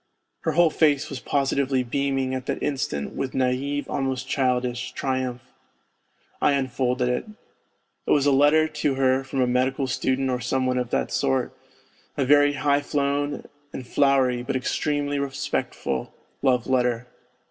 Her whole face was positively beaming at that instant with naive, almost childish, triumph. I unfolded it. It was a letter to her from a medical student or some one of that sort a very high flown and flowery, but extremely respectful, love letter.